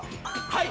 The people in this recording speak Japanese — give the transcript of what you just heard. はい！